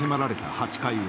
８回裏。